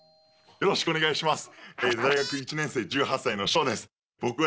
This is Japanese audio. よろしくお願いします。